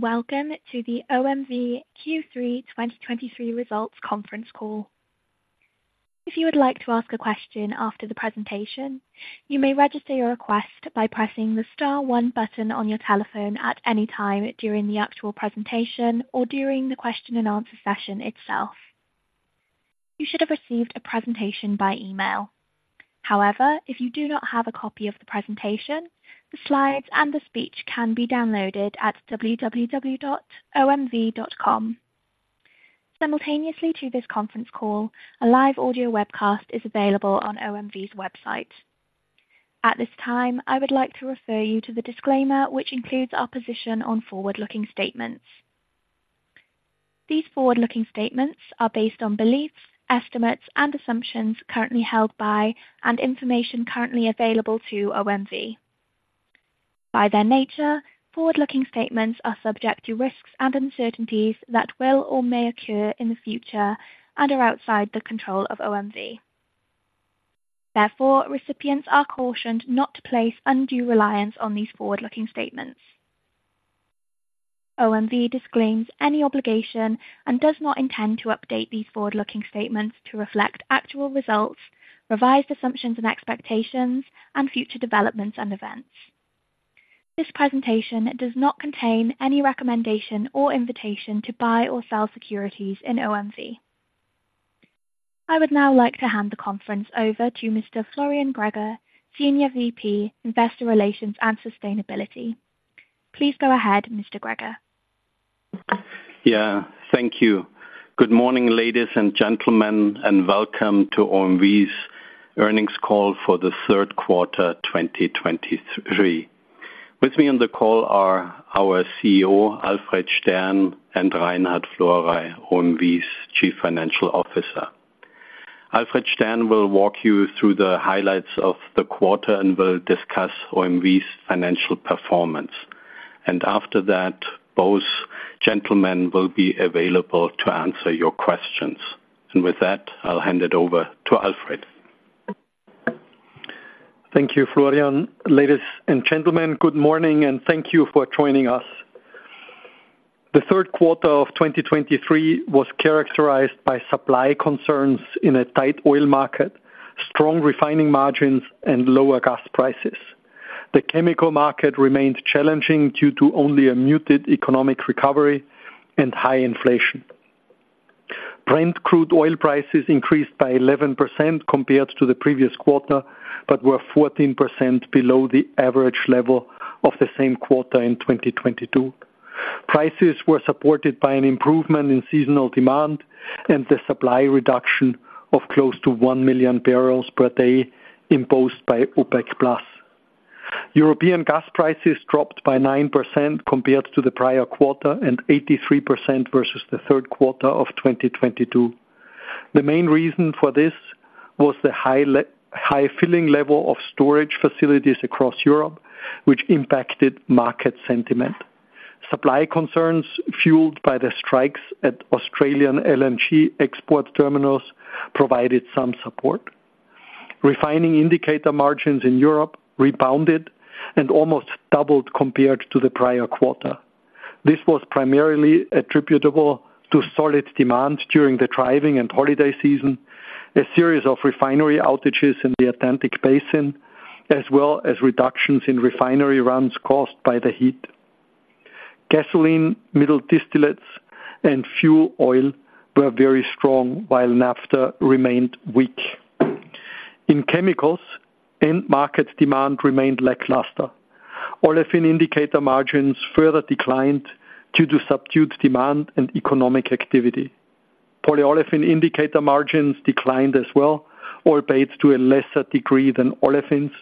Welcome to the OMV Q3 2023 Results Conference Call. If you would like to ask a question after the presentation, you may register your request by pressing the star one button on your telephone at any time during the actual presentation or during the question and answer session itself. You should have received a presentation by email. However, if you do not have a copy of the presentation, the slides and the speech can be downloaded at www.omv.com. Simultaneously to this conference call, a live audio webcast is available on OMV's website. At this time, I would like to refer you to the disclaimer, which includes our position on forward-looking statements. These forward-looking statements are based on beliefs, estimates, and assumptions currently held by, and information currently available to OMV. By their nature, forward-looking statements are subject to risks and uncertainties that will or may occur in the future and are outside the control of OMV. Therefore, recipients are cautioned not to place undue reliance on these forward-looking statements. OMV disclaims any obligation and does not intend to update these forward-looking statements to reflect actual results, revised assumptions and expectations, and future developments and events. This presentation does not contain any recommendation or invitation to buy or sell securities in OMV. I would now like to hand the conference over to Mr. Florian Greger, Senior VP, Investor Relations and Sustainability. Please go ahead, Mr. Greger. Yeah, thank you. Good morning, ladies and gentlemen, and welcome to OMV's earnings call for the third quarter, 2023. With me on the call are our CEO, Alfred Stern, and Reinhard Florey, OMV's Chief Financial Officer. Alfred Stern will walk you through the highlights of the quarter and will discuss OMV's financial performance. After that, both gentlemen will be available to answer your questions. With that, I'll hand it over to Alfred. Thank you, Florian. Ladies and gentlemen, good morning, and thank you for joining us. The third quarter of 2023 was characterized by supply concerns in a tight oil market, strong refining margins, and lower gas prices. The chemical market remained challenging due to only a muted economic recovery and high inflation. Brent crude oil prices increased by 11% compared to the previous quarter, but were 14% below the average level of the same quarter in 2022. Prices were supported by an improvement in seasonal demand and the supply reduction of close to 1 million barrels per day imposed by OPEC+. European gas prices dropped by 9% compared to the prior quarter, and 83% versus the third quarter of 2022. The main reason for this was the high filling level of storage facilities across Europe, which impacted market sentiment. Supply concerns, fueled by the strikes at Australian LNG export terminals, provided some support. Refining indicator margins in Europe rebounded and almost doubled compared to the prior quarter. This was primarily attributable to solid demand during the driving and holiday season, a series of refinery outages in the Atlantic basin, as well as reductions in refinery runs caused by the heat. Gasoline, middle distillates, and fuel oil were very strong, while naphtha remained weak. In chemicals, end market demand remained lackluster. Olefin indicator margins further declined due to subdued demand and economic activity. Polyolefin indicator margins declined as well, albeit to a lesser degree than olefins,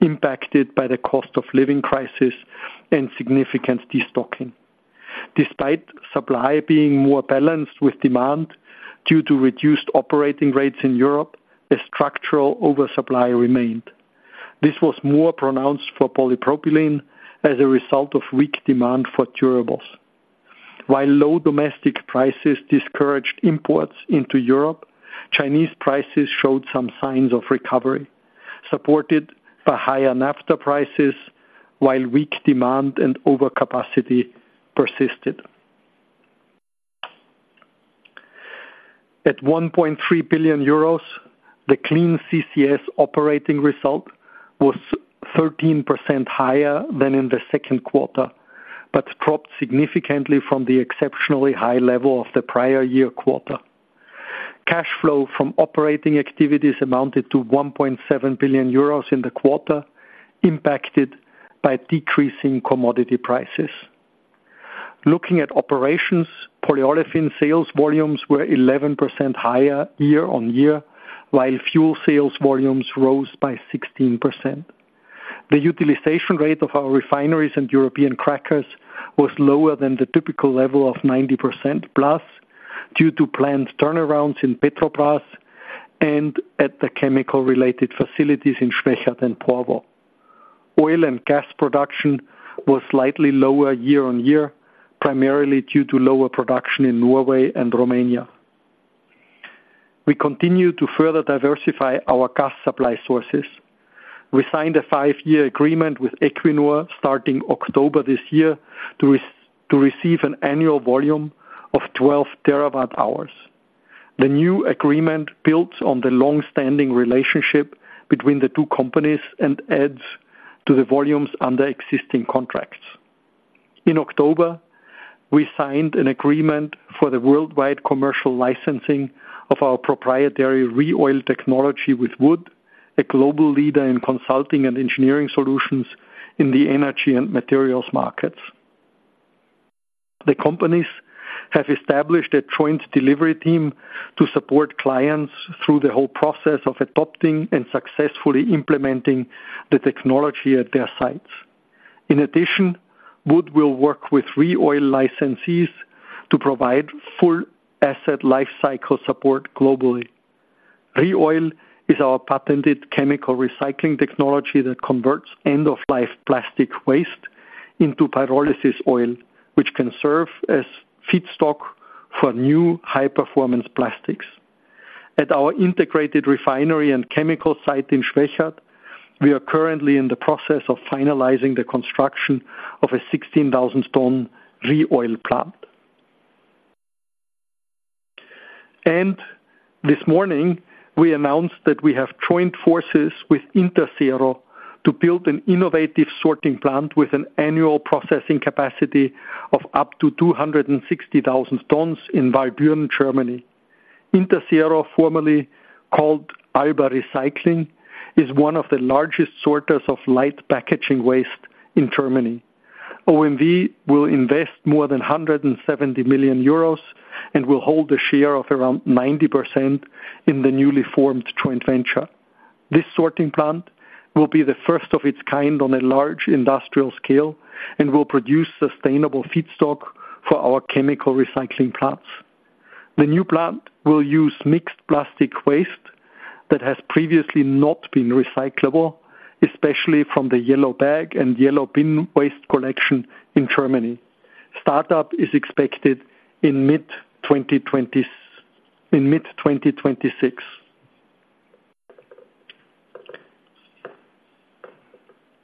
impacted by the cost of living crisis and significant destocking. Despite supply being more balanced with demand due to reduced operating rates in Europe, a structural oversupply remained. This was more pronounced for polypropylene as a result of weak demand for durables. While low domestic prices discouraged imports into Europe, Chinese prices showed some signs of recovery, supported by higher naphtha prices, while weak demand and overcapacity persisted. At 1.3 billion euros, the Clean CCS operating result was 13% higher than in the second quarter, but dropped significantly from the exceptionally high level of the prior year quarter. Cash flow from operating activities amounted to 1.7 billion euros in the quarter, impacted by decreasing commodity prices. Looking at operations, polyolefin sales volumes were 11% higher year-on-year, while fuel sales volumes rose by 16%. The utilization rate of our refineries and European crackers was lower than the typical level of 90% plus, due to planned turnarounds in Petrobrazi and at the chemical-related facilities in Schwechat and Porvoo. Oil and gas production was slightly lower year-on-year, primarily due to lower production in Norway and Romania. We continue to further diversify our gas supply sources. We signed a 5-year agreement with Equinor starting October this year, to receive an annual volume of 12 terawatt hours. The new agreement builds on the long-standing relationship between the two companies and adds to the volumes under existing contracts. In October, we signed an agreement for the worldwide commercial licensing of our proprietary ReOil technology with Wood, a global leader in consulting and engineering solutions in the energy and materials markets. The companies have established a joint delivery team to support clients through the whole process of adopting and successfully implementing the technology at their sites. In addition, Wood will work with ReOil licensees to provide full asset lifecycle support globally. ReOil is our patented chemical recycling technology that converts end-of-life plastic waste into pyrolysis oil, which can serve as feedstock for new high-performance plastics. At our integrated refinery and chemical site in Schwechat, we are currently in the process of finalizing the construction of a 16,000-ton ReOil plant. This morning, we announced that we have joined forces with Interzero to build an innovative sorting plant with an annual processing capacity of up to 260,000 tons in Walldürn, Germany. Interzero, formerly called Alba Recycling, is one of the largest sorters of light packaging waste in Germany. OMV will invest more than 170 million euros and will hold a share of around 90% in the newly formed joint venture. This sorting plant will be the first of its kind on a large industrial scale and will produce sustainable feedstock for our chemical recycling plants. The new plant will use mixed plastic waste that has previously not been recyclable, especially from the yellow bag and yellow bin waste collection in Germany. Startup is expected in mid-2026.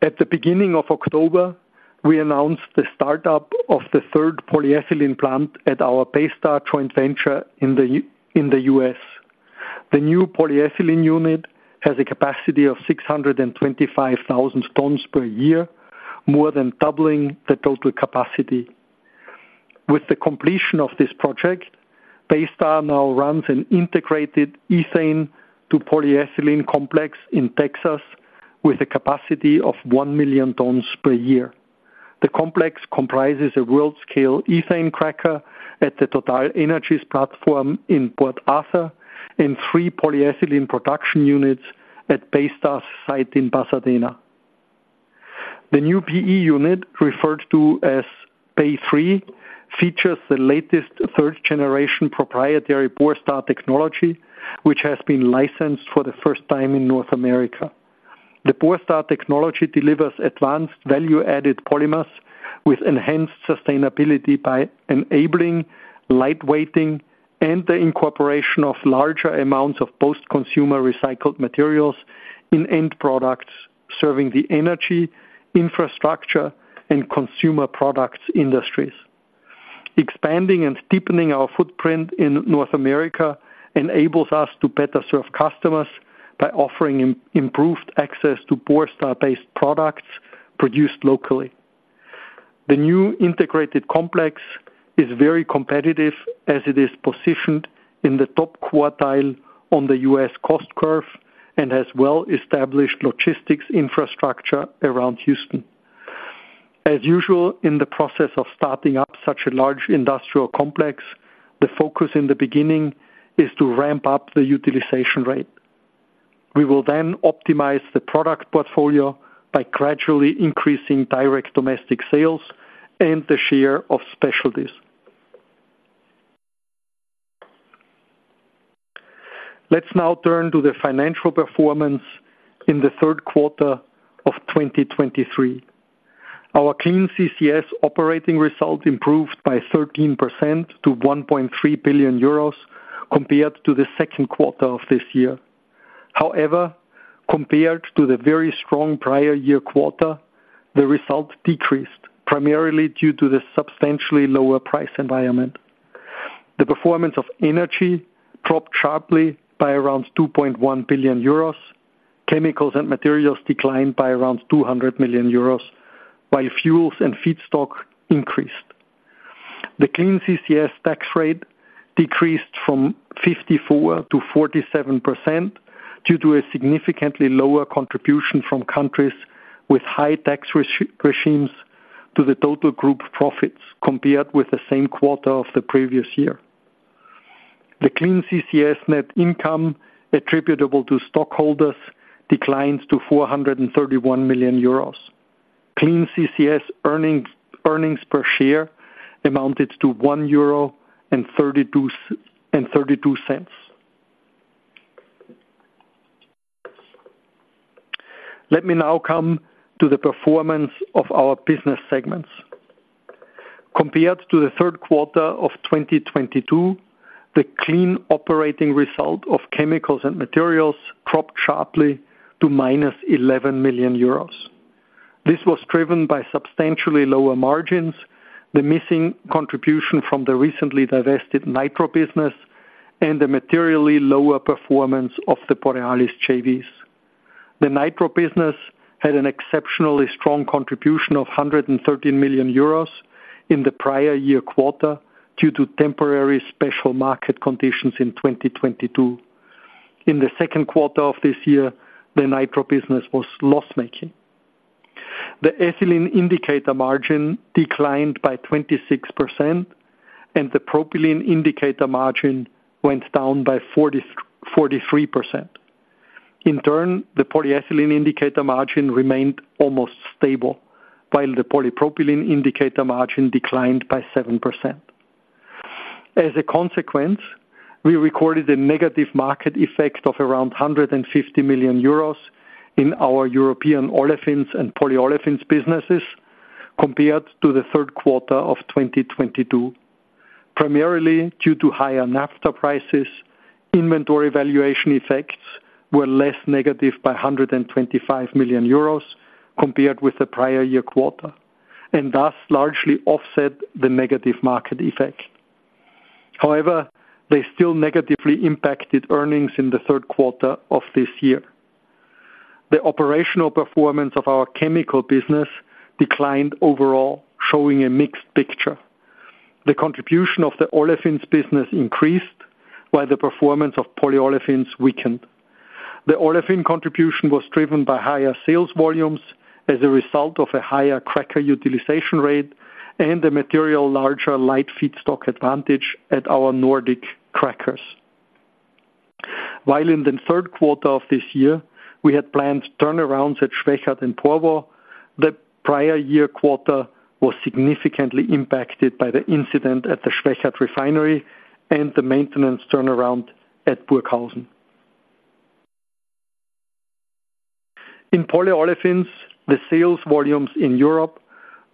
At the beginning of October, we announced the startup of the third polyethylene plant at our Baystar joint venture in the U.S. The new polyethylene unit has a capacity of 625,000 tons per year, more than doubling the total capacity. With the completion of this project, Baystar now runs an integrated ethane to polyethylene complex in Texas, with a capacity of 1,000,000 tons per year. The complex comprises a world-scale ethane cracker at the TotalEnergies' platform in Port Arthur and three polyethylene production units at Baystar's site in Pasadena. The new PE unit, referred to as Bay Three, features the latest third-generation proprietary Borstar technology, which has been licensed for the first time in North America. The Borstar technology delivers advanced value-added polymers with enhanced sustainability by enabling light weighting and the incorporation of larger amounts of post-consumer recycled materials in end products, serving the energy, infrastructure, and consumer products industries. Expanding and deepening our footprint in North America enables us to better serve customers by offering improved access to Borstar-based products produced locally. The new integrated complex is very competitive as it is positioned in the top quartile on the U.S. cost curve and has well-established logistics infrastructure around Houston. As usual, in the process of starting up such a large industrial complex, the focus in the beginning is to ramp up the utilization rate. We will then optimize the product portfolio by gradually increasing direct domestic sales and the share of specialties. Let's now turn to the financial performance in the third quarter of 2023. Our Clean CCS operating result improved by 13% to 1.3 billion euros compared to the second quarter of this year. However, compared to the very strong prior year quarter, the result decreased, primarily due to the substantially lower price environment. The performance of energy dropped sharply by around 2.1 billion euros. Chemicals and materials declined by around 200 million euros, while fuels and feedstock increased. The Clean CCS tax rate decreased from 54%-47% due to a significantly lower contribution from countries with high tax regimes to the total group profits compared with the same quarter of the previous year. The Clean CCS net income attributable to stockholders declined to 431 million euros. Clean CCS earnings per share amounted to 1.32 euro. Let me now come to the performance of our business segments. Compared to the third quarter of 2022, the clean operating result of chemicals and materials dropped sharply to -11 million euros. This was driven by substantially lower margins, the missing contribution from the recently divested nitro business, and the materially lower performance of the Borealis JVs. The nitro business had an exceptionally strong contribution of 113 million euros in the prior year quarter, due to temporary special market conditions in 2022. In the second quarter of this year, the nitro business was loss-making. The ethylene indicator margin declined by 26%, and the propylene indicator margin went down by 43%. In turn, the polyethylene indicator margin remained almost stable, while the polypropylene indicator margin declined by 7%. As a consequence, we recorded a negative market effect of around 150 million euros in our European olefins and polyolefins businesses, compared to the third quarter of 2022. Primarily, due to higher naphtha prices, inventory valuation effects were less negative by 125 million euros compared with the prior year quarter, and thus largely offset the negative market effect. However, they still negatively impacted earnings in the third quarter of this year. The operational performance of our chemical business declined overall, showing a mixed picture. The contribution of the olefins business increased, while the performance of polyolefins weakened. The olefin contribution was driven by higher sales volumes as a result of a higher cracker utilization rate and a materially larger light feedstock advantage at our Nordic crackers. While in the third quarter of this year, we had planned turnarounds at Schwechat and Porvoo, the prior year quarter was significantly impacted by the incident at the Schwechat refinery and the maintenance turnaround at Burghausen. In polyolefins, the sales volumes in Europe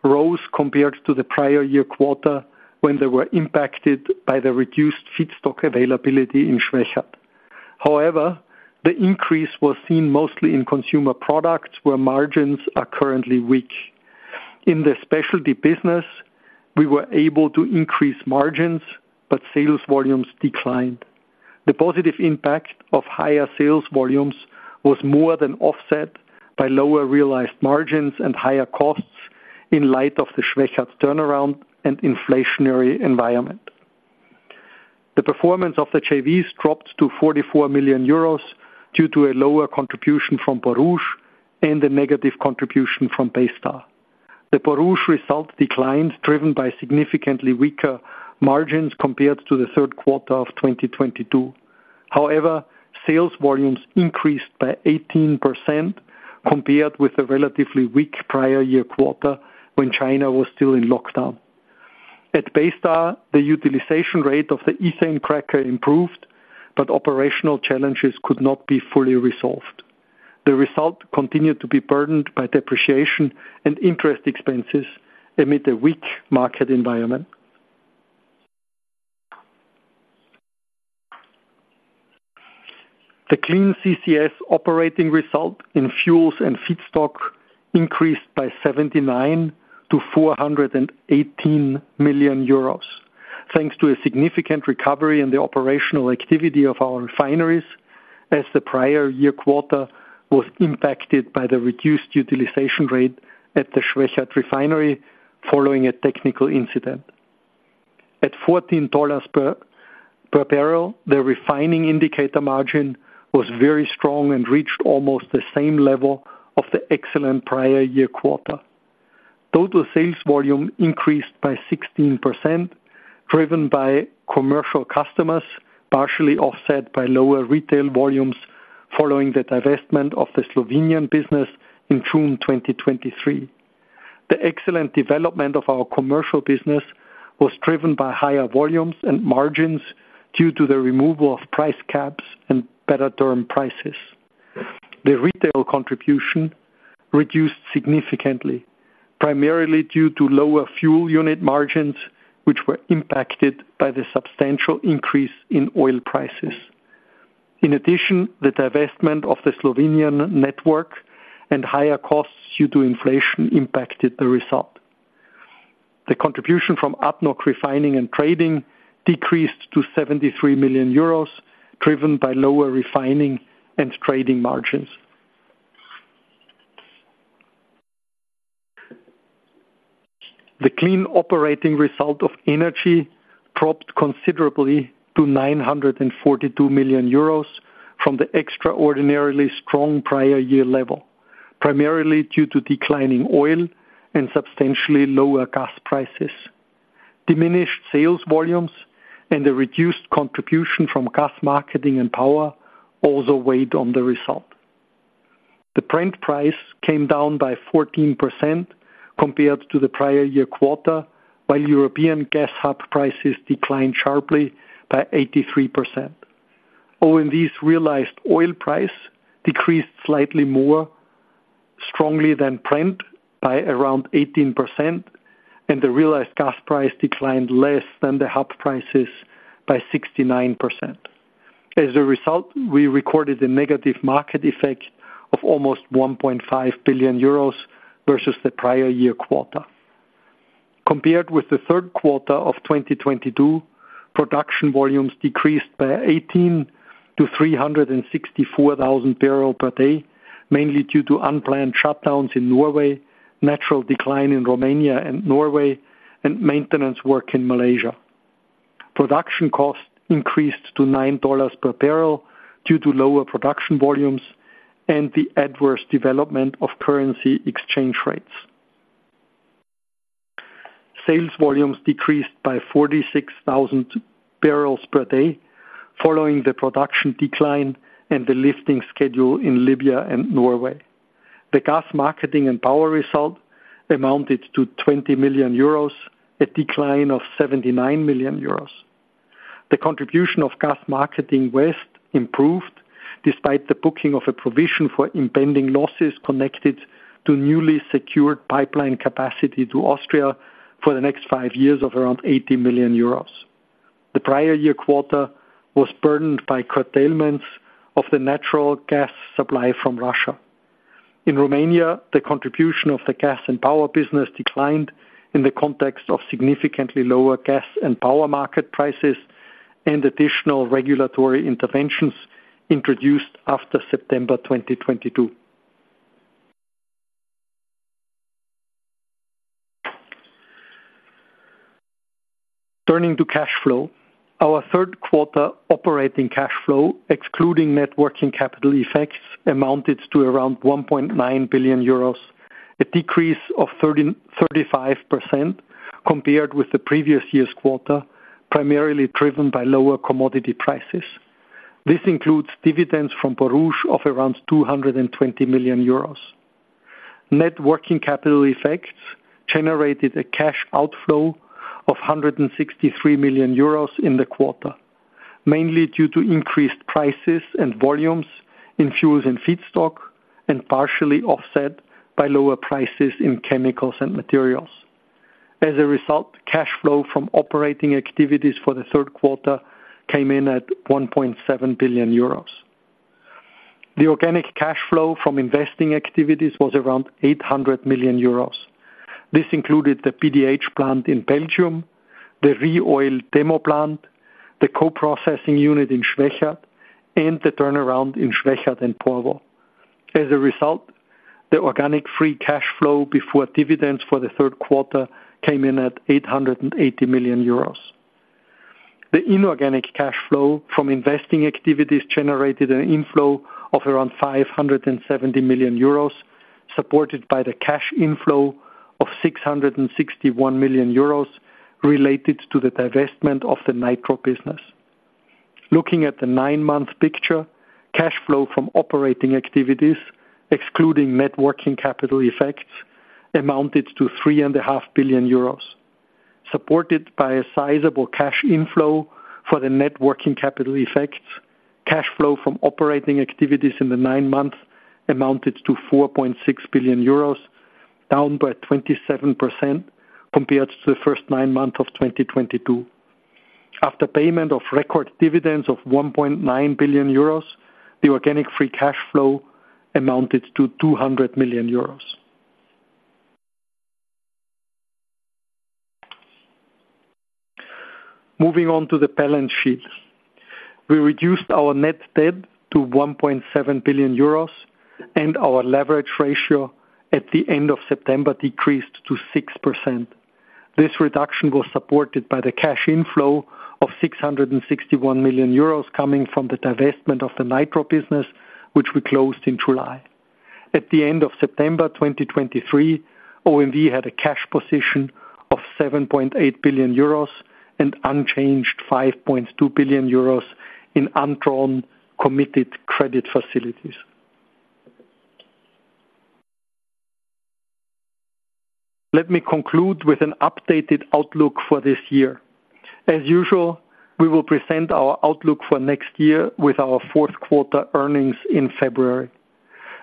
rose compared to the prior year quarter, when they were impacted by the reduced feedstock availability in Schwechat. However, the increase was seen mostly in consumer products, where margins are currently weak. In the specialty business, we were able to increase margins, but sales volumes declined. The positive impact of higher sales volumes was more than offset by lower realized margins and higher costs in light of the Schwechat's turnaround and inflationary environment. The performance of the JVs dropped to 44 million euros due to a lower contribution from Borouge and a negative contribution from Baystar. The Borouge result declined, driven by significantly weaker margins compared to the third quarter of 2022. However, sales volumes increased by 18% compared with a relatively weak prior year quarter when China was still in lockdown. At Baystar, the utilization rate of the ethane cracker improved, but operational challenges could not be fully resolved. The result continued to be burdened by depreciation and interest expenses amid a weak market environment. The Clean CCS operating result in fuels and feedstock increased by 79 million to 418 million euros, thanks to a significant recovery in the operational activity of our refineries, as the prior year quarter was impacted by the reduced utilization rate at the Schwechat refinery, following a technical incident. At $14 per barrel, the refining indicator margin was very strong and reached almost the same level of the excellent prior year quarter. Total sales volume increased by 16%, driven by commercial customers, partially offset by lower retail volumes following the divestment of the Slovenian business in June 2023. The excellent development of our commercial business was driven by higher volumes and margins due to the removal of price caps and better term prices. The retail contribution reduced significantly, primarily due to lower fuel unit margins, which were impacted by the substantial increase in oil prices. In addition, the divestment of the Slovenian network and higher costs due to inflation impacted the result. The contribution from Upstream Refining and Trading decreased to 73 million euros, driven by lower refining and trading margins. The clean operating result of energy dropped considerably to 942 million euros from the extraordinarily strong prior year level, primarily due to declining oil and substantially lower gas prices. Diminished sales volumes and a reduced contribution from gas marketing and power also weighed on the result. The Brent price came down by 14% compared to the prior year quarter, while European gas hub prices declined sharply by 83%. OMV's realized oil price decreased slightly more strongly than Brent by around 18%, and the realized gas price declined less than the hub prices by 69%. As a result, we recorded a negative market effect of almost 1.5 billion euros versus the prior year quarter. Compared with the third quarter of 2022, production volumes decreased by 18 to 364,000 barrels per day, mainly due to unplanned shutdowns in Norway, natural decline in Romania and Norway, and maintenance work in Malaysia. Production costs increased to $9 per barrel due to lower production volumes and the adverse development of currency exchange rates. Sales volumes decreased by 46,000 barrels per day following the production decline and the lifting schedule in Libya and Norway. The gas marketing and power result amounted to 20 million euros, a decline of 79 million euros. The contribution of Gas Marketing West improved, despite the booking of a provision for impending losses connected to newly secured pipeline capacity to Austria for the next 5 years of around 80 million euros. The prior year quarter was burdened by curtailments of the natural gas supply from Russia. In Romania, the contribution of the gas and power business declined in the context of significantly lower gas and power market prices and additional regulatory interventions introduced after September 2022. Turning to cash flow, our third quarter operating cash flow, excluding net working capital effects, amounted to around 1.9 billion euros, a decrease of 35% compared with the previous year's quarter, primarily driven by lower commodity prices. This includes dividends from Borouge of around 220 million euros. Net working capital effects generated a cash outflow of 163 million euros in the quarter, mainly due to increased prices and volumes in fuels and feedstock, and partially offset by lower prices in chemicals and materials. As a result, cash flow from operating activities for the third quarter came in at 1.7 billion euros. The organic cash flow from investing activities was around 800 million euros. This included the PDH plant in Belgium, the ReOil demo plant, the co-processing unit in Schwechat, and the turnaround in Schwechat and Porvoo. As a result, the organic free cash flow before dividends for the third quarter came in at 880 million euros. The inorganic cash flow from investing activities generated an inflow of around 570 million euros, supported by the cash inflow of 661 million euros related to the divestment of the Nitro business. Looking at the nine-month picture, cash flow from operating activities, excluding net working capital effects, amounted to 3.5 billion euros. Supported by a sizable cash inflow for the net working capital effects, cash flow from operating activities in the nine months amounted to 4.6 billion euros, down by 27% compared to the first nine months of 2022. After payment of record dividends of 1.9 billion euros, the organic free cash flow amounted to 200 million euros. Moving on to the balance sheet. We reduced our net debt to 1.7 billion euros, and our leverage ratio at the end of September decreased to 6%. This reduction was supported by the cash inflow of 661 million euros coming from the divestment of the Nitro business, which we closed in July. At the end of September 2023, OMV had a cash position of 7.8 billion euros and unchanged 5.2 billion euros in undrawn committed credit facilities. Let me conclude with an updated outlook for this year. As usual, we will present our outlook for next year with our fourth quarter earnings in February.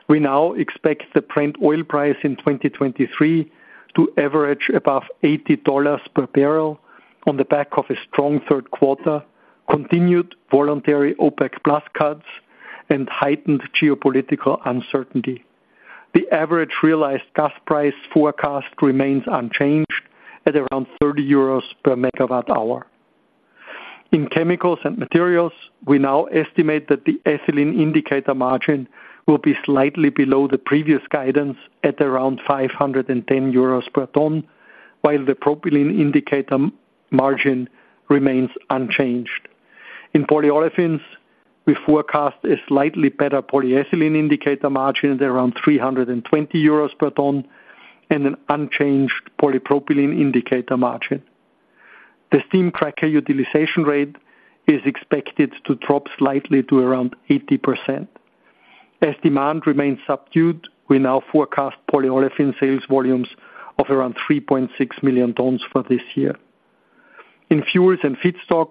We now expect the Brent oil price in 2023 to average above $80 per barrel on the back of a strong third quarter, continued voluntary OPEC+ cuts, and heightened geopolitical uncertainty. The average realized gas price forecast remains unchanged at around 30 euros per megawatt hour. In chemicals and materials, we now estimate that the ethylene indicator margin will be slightly below the previous guidance at around 510 euros per ton, while the propylene indicator margin remains unchanged. In polyolefins, we forecast a slightly better polyethylene indicator margin at around 320 euros per ton and an unchanged polypropylene indicator margin. The steam cracker utilization rate is expected to drop slightly to around 80%. As demand remains subdued, we now forecast polyolefin sales volumes of around 3.6 million tons for this year. In fuels and feedstock,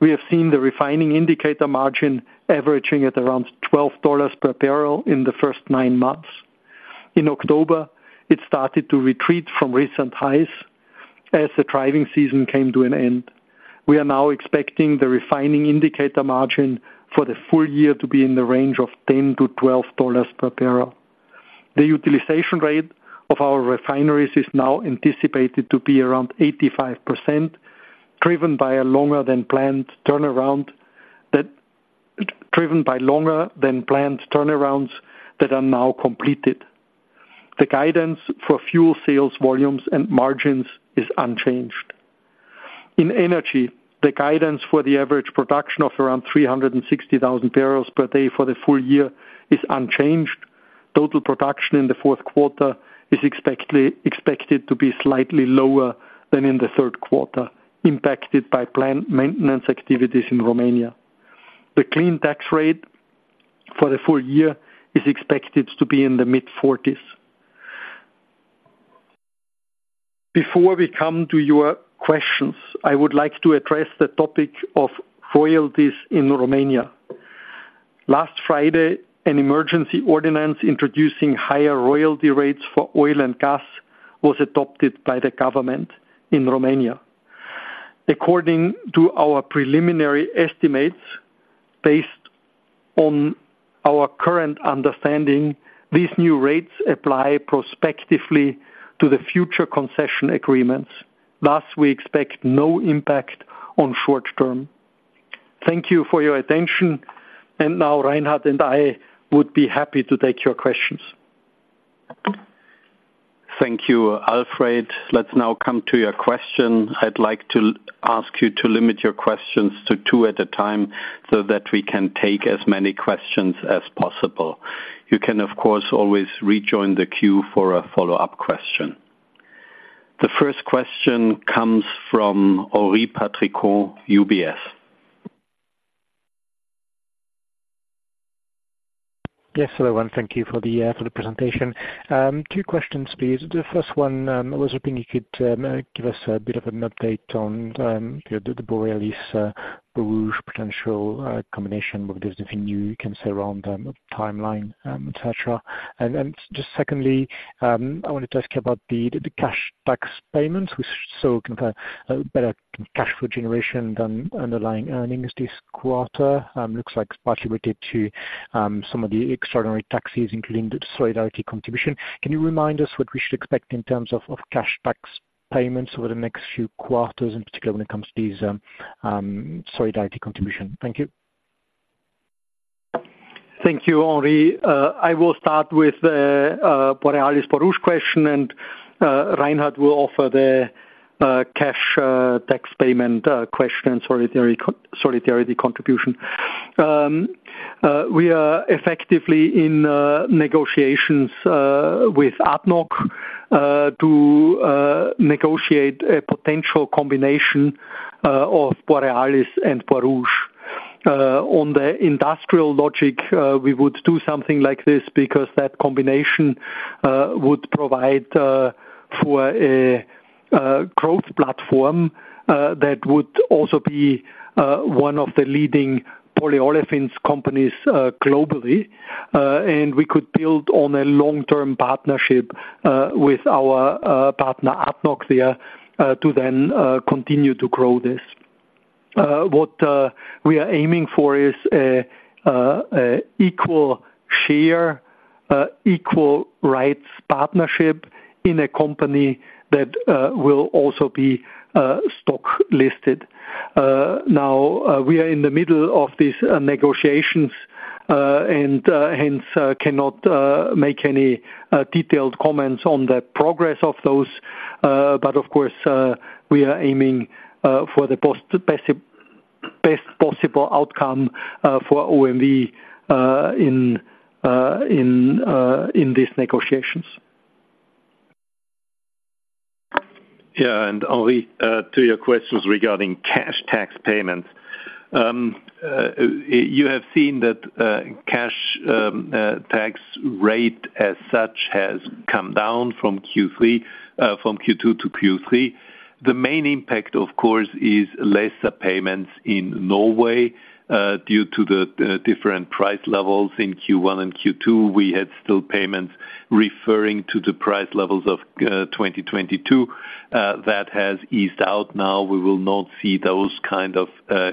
we have seen the refining indicator margin averaging at around $12 per barrel in the first nine months. In October, it started to retreat from recent highs as the driving season came to an end. We are now expecting the refining indicator margin for the full year to be in the range of $10-$12 per barrel. The utilization rate of our refineries is now anticipated to be around 85%, driven by longer than planned turnarounds that are now completed. The guidance for fuel sales volumes and margins is unchanged. In energy, the guidance for the average production of around 360,000 barrels per day for the full year is unchanged. Total production in the fourth quarter is expected to be slightly lower than in the third quarter, impacted by plant maintenance activities in Romania. The clean tax rate for the full year is expected to be in the mid-40s%. Before we come to your questions, I would like to address the topic of royalties in Romania. Last Friday, an emergency ordinance introducing higher royalty rates for oil and gas was adopted by the government in Romania. According to our preliminary estimates, based on our current understanding, these new rates apply prospectively to the future concession agreements. Thus, we expect no impact on short term. Thank you for your attention, and now Reinhard and I would be happy to take your questions. Thank you, Alfred. Let's now come to your question. I'd like to ask you to limit your questions to two at a time, so that we can take as many questions as possible. You can, of course, always rejoin the queue for a follow-up question. The first question comes from Henri Patricot, UBS. Yes, hello, everyone. Thank you for the presentation. Two questions, please. The first one, I was hoping you could give us a bit of an update on the Borealis, Borouge potential combination, whether there's anything new you can say around the timeline, et cetera. And then, just secondly, I wanted to ask you about the cash tax payments. We saw kind of a better cash flow generation than underlying earnings this quarter. Looks like it's partly related to some of the extraordinary taxes, including the solidarity contribution. Can you remind us what we should expect in terms of cash tax payments over the next few quarters, and particularly when it comes to these solidarity contribution? Thank you. Thank you, Henri. I will start with Borealis-Borouge question, and Reinhard will offer the cash tax payment question, solidarity co-solidarity contribution. We are effectively in negotiations with ADNOC to negotiate a potential combination of Borealis and Borouge. On the industrial logic, we would do something like this because that combination would provide for a growth platform that would also be one of the leading polyolefins companies globally. And we could build on a long-term partnership with our partner, ADNOC, there to then continue to grow this. What we are aiming for is a equal share equal rights partnership in a company that will also be stock listed. Now, we are in the middle of these negotiations, and hence, cannot make any detailed comments on the progress of those. But of course, we are aiming for the best possible outcome for OMV in these negotiations. Yeah, and Henri, to your questions regarding cash tax payments. You have seen that cash tax rate as such has come down from Q2 to Q3. The main impact, of course, is lesser payments in Norway due to the different price levels in Q1 and Q2. We had still payments referring to the price levels of 2022. That has eased out. Now, we will not see those kind of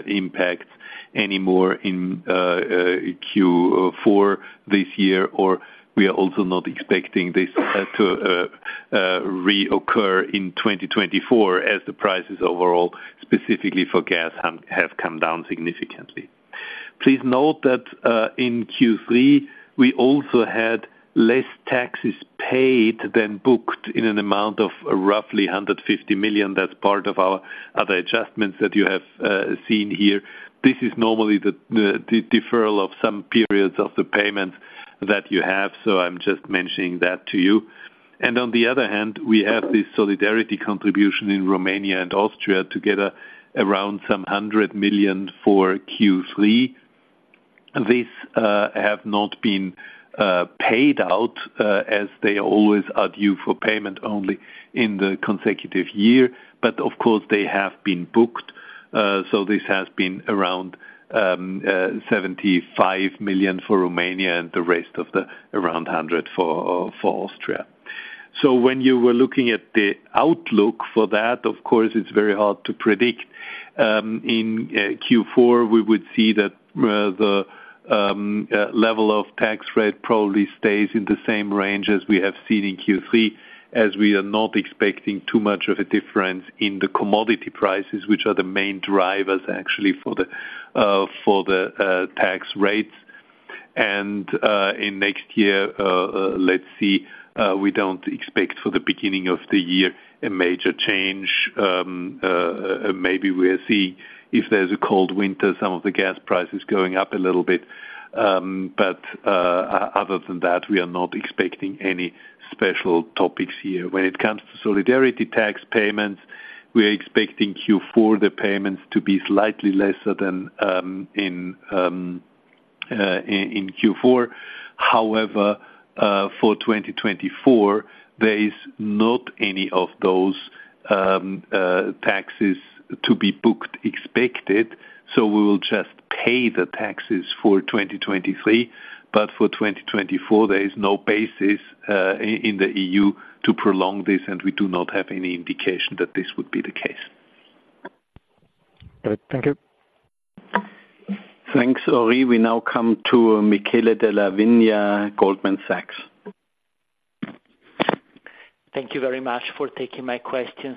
impacts anymore in Q4 this year, or we are also not expecting this to reoccur in 2024, as the prices overall, specifically for gas, have come down significantly. Please note that in Q3, we also had less taxes paid than booked in an amount of roughly 150 million. That's part of our other adjustments that you have seen here. This is normally the deferral of some periods of the payments that you have, so I'm just mentioning that to you. On the other hand, we have the solidarity contribution in Romania and Austria, together around 100 million for Q3.... these have not been paid out, as they always are due for payment only in the consecutive year. But of course they have been booked, so this has been around 75 million for Romania and the rest around 100 million for Austria. So when you were looking at the outlook for that, of course, it's very hard to predict. In Q4, we would see that the level of tax rate probably stays in the same range as we have seen in Q3, as we are not expecting too much of a difference in the commodity prices, which are the main drivers actually for the tax rates. And in next year, let's see, we don't expect for the beginning of the year, a major change. Maybe we'll see if there's a cold winter, some of the gas prices going up a little bit. But, other than that, we are not expecting any special topics here. When it comes to solidarity tax payments, we are expecting Q4, the payments to be slightly lesser than in Q4. However, for 2024, there is not any of those taxes to be booked expected, so we will just pay the taxes for 2023, but for 2024, there is no basis in the EU to prolong this, and we do not have any indication that this would be the case. Great. Thank you. Thanks, Henri. We now come to Michele Della Vigna, Goldman Sachs. Thank you very much for taking my questions.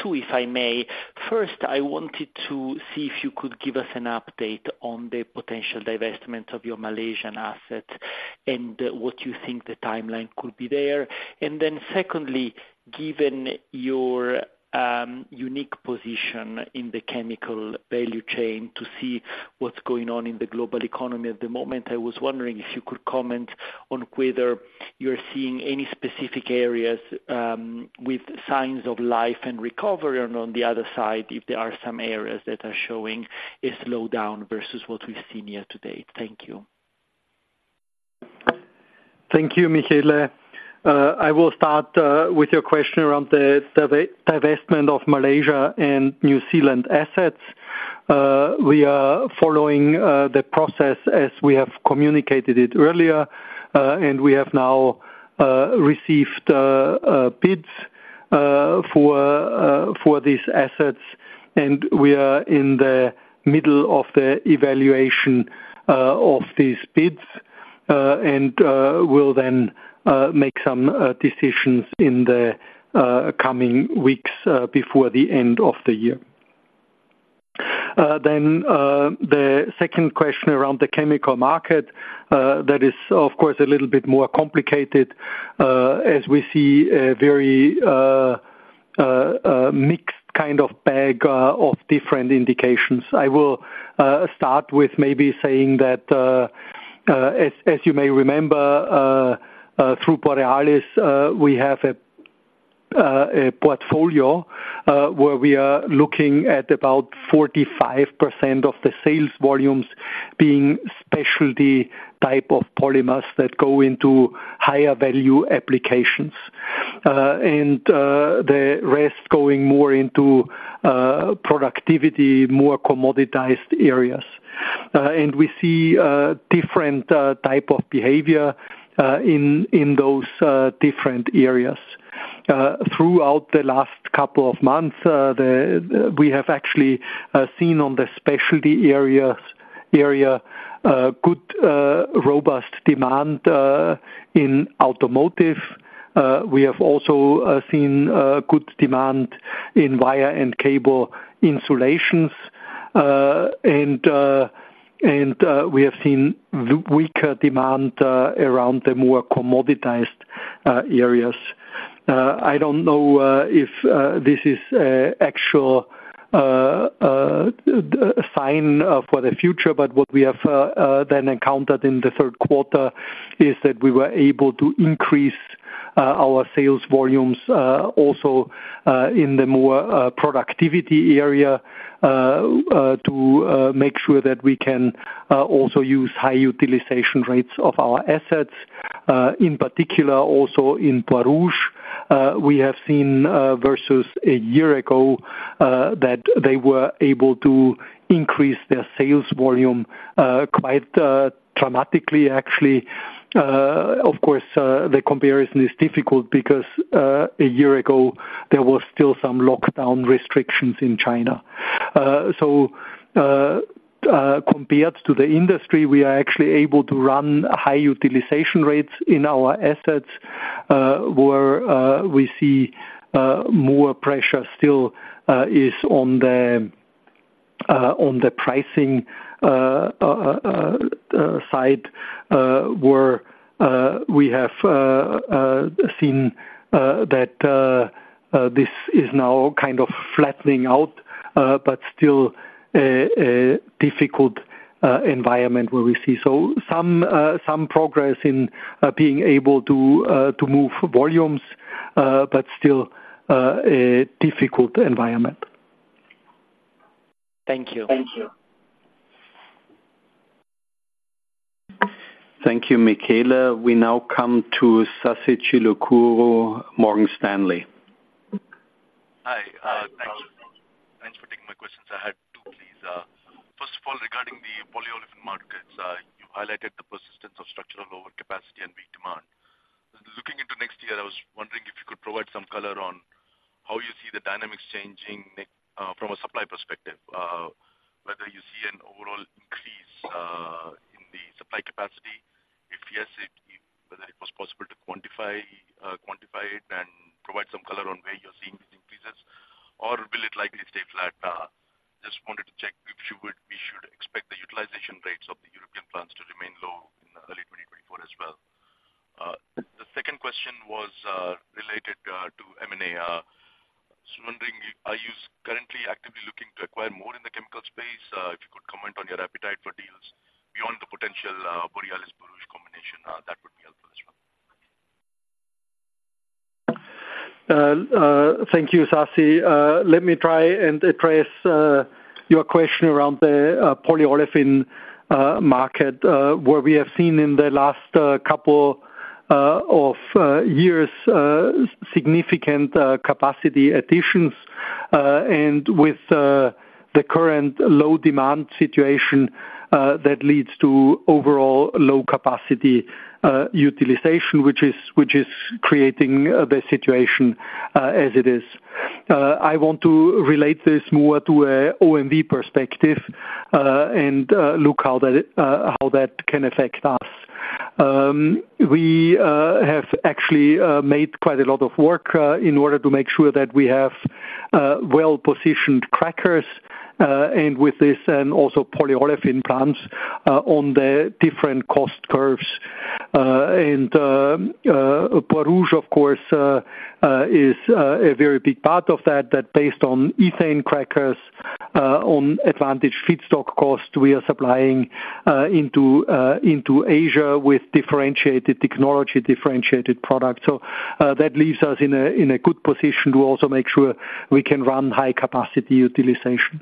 Two, if I may. First, I wanted to see if you could give us an update on the potential divestment of your Malaysian assets and what you think the timeline could be there. And then secondly, given your unique position in the chemical value chain to see what's going on in the global economy at the moment, I was wondering if you could comment on whether you're seeing any specific areas with signs of life and recovery, and on the other side, if there are some areas that are showing a slowdown versus what we've seen year-to-date. Thank you. Thank you, Michele. I will start with your question around the divestment of Malaysia and New Zealand assets. We are following the process as we have communicated it earlier, and we have now received bids for these assets, and we are in the middle of the evaluation of these bids, and we'll then make some decisions in the coming weeks, before the end of the year. Then, the second question around the chemical market, that is, of course, a little bit more complicated, as we see a very mixed kind of bag of different indications. I will start with maybe saying that, as you may remember, through Borealis, we have a portfolio where we are looking at about 45% of the sales volumes being specialty type of polymers that go into higher value applications. And the rest going more into productivity, more commoditized areas. And we see different type of behavior in those different areas. Throughout the last couple of months, we have actually seen on the specialty areas good robust demand in automotive. We have also seen good demand in wire and cable insulations. And we have seen weaker demand around the more commoditized areas. I don't know if this is an actual sign for the future, but what we have then encountered in the third quarter is that we were able to increase our sales volumes also in the more productive area to make sure that we can also use high utilization rates of our assets. In particular, also in Polyolefins, we have seen versus a year ago that they were able to increase their sales volume quite dramatically, actually. Of course, the comparison is difficult because a year ago there was still some lockdown restrictions in China. So, compared to the industry, we are actually able to run high utilization rates in our assets, where we see more pressure still is on the pricing side, where we have seen that this is now kind of flattening out, but still a difficult environment where we see. So some progress in being able to move volumes, but still a difficult environment. Thank you. Thank you. Thank you, Michele. We now come to Sasi Chilukuru, Morgan Stanley. Hi, thanks. Thanks for taking my questions. I had two, please. First of all, regarding the polyolefin markets, you highlighted the persistence of structural overcapacity and weak demand. Looking into next year, I was wondering if you could provide some color on how you see the dynamics changing, from a supply perspective, whether you see an overall increase in the supply capacity? If yes, whether it was possible to quantify it and provide some color on where you're seeing these increases, or will it likely stay flat? Just wanted to check if we should expect the utilization rates of the European plants to remain low in early 2024 as well. The second question was related to M&A. Just wondering, are you currently actively looking to acquire more in the chemical space? If you could comment on your appetite for deals beyond the potential Borealis-Borouge combination, that would be helpful as well. Thank you, Sasi. Let me try and address your question around the polyolefin market, where we have seen in the last couple of years significant capacity additions, and with the current low demand situation, that leads to overall low capacity utilization, which is creating the situation as it is. I want to relate this more to an OMV perspective, and look how that can affect us. We have actually made quite a lot of work in order to make sure that we have well-positioned crackers, and with this, and also polyolefin plants on the different cost curves. And, Borouge, of course, is a very big part of that, based on ethane crackers, on advantaged feedstock cost. We are supplying into Asia with differentiated technology, differentiated products. So, that leaves us in a good position to also make sure we can run high capacity utilization.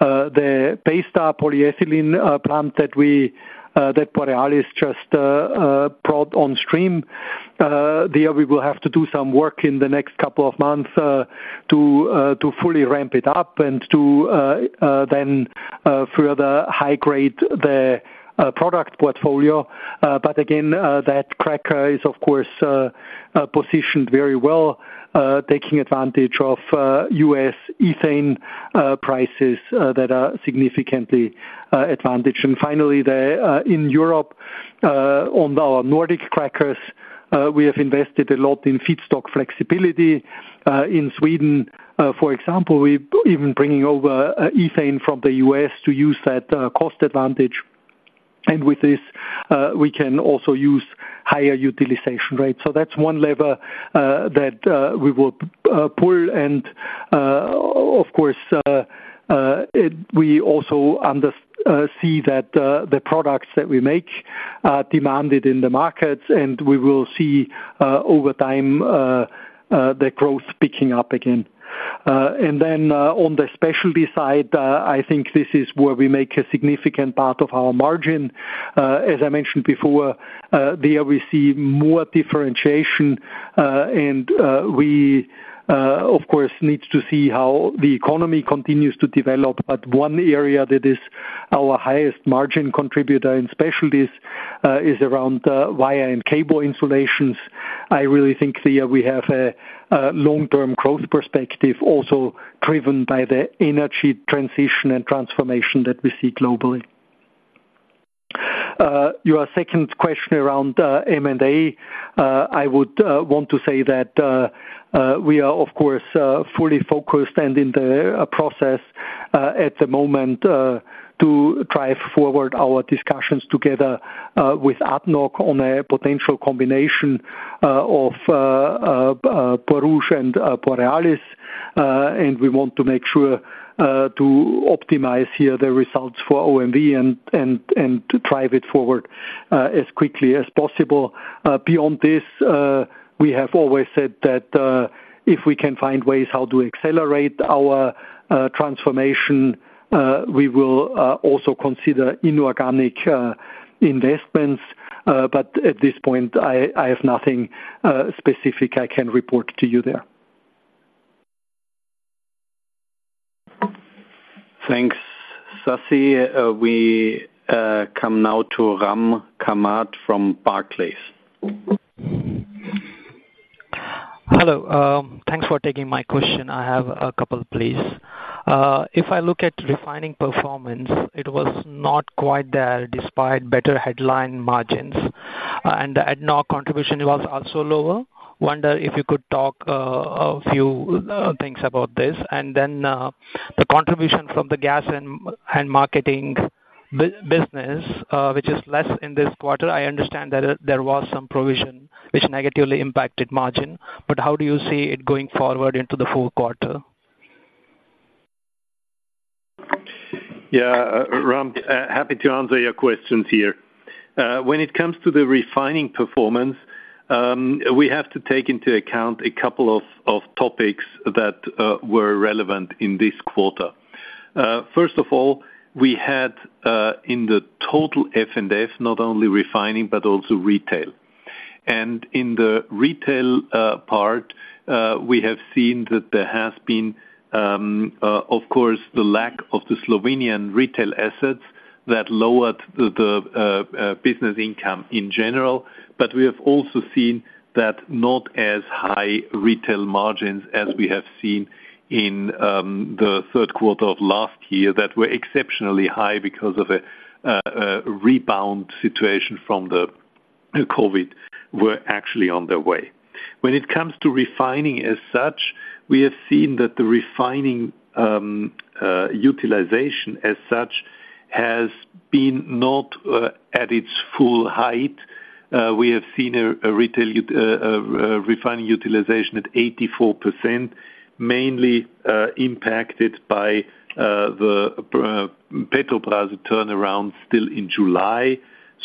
The Borstar polyethylene plant that Borealis just brought on stream, there we will have to do some work in the next couple of months to fully ramp it up and to then further high-grade the product portfolio. But again, that cracker is, of course, positioned very well, taking advantage of U.S. ethane prices that are significantly advantaged. And finally, in Europe, on our Nordic crackers, we have invested a lot in feedstock flexibility. In Sweden, for example, we even bringing over, ethane from the U.S. to use that cost advantage. And with this, we can also use higher utilization rates. So that's one lever that we will pull and, of course, we also see that the products that we make are demanded in the markets, and we will see, over time, the growth picking up again. And then, on the specialty side, I think this is where we make a significant part of our margin. As I mentioned before, there we see more differentiation, and we, of course, need to see how the economy continues to develop. But one area that is our highest margin contributor in specialties is around wire and cable insulations. I really think there we have a long-term growth perspective, also driven by the energy transition and transformation that we see globally. Your second question around M&A, I would want to say that we are, of course, fully focused and in the process at the moment to drive forward our discussions together with ADNOC on a potential combination of Borouge and Borealis. And we want to make sure to optimize here the results for OMV and to drive it forward as quickly as possible. Beyond this, we have always said that if we can find ways how to accelerate our transformation, we will also consider inorganic investments. But at this point, I have nothing specific I can report to you there. Thanks, Sasi. We come now to Ram Kamat from Barclays. Hello. Thanks for taking my question. I have a couple, please. If I look at refining performance, it was not quite there, despite better headline margins, and the ADNOC contribution was also lower. Wonder if you could talk a few things about this. And then, the contribution from the gas and marketing business, which is less in this quarter. I understand that there was some provision which negatively impacted margin, but how do you see it going forward into the full quarter? ... Yeah, Ram, happy to answer your questions here. When it comes to the refining performance, we have to take into account a couple of topics that were relevant in this quarter. First of all, we had in the total FNF, not only refining but also retail. And in the retail part, we have seen that there has been, of course, the lack of the Slovenian retail assets that lowered the business income in general, but we have also seen that not as high retail margins as we have seen in the third quarter of last year, that were exceptionally high because of a rebound situation from the COVID were actually on their way. When it comes to refining as such, we have seen that the refining utilization as such has been not at its full height. We have seen a retail refining utilization at 84%, mainly impacted by the Petrobrazi turnaround still in July.